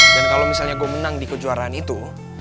dan kalau misalnya gue menang di kejuaraan itu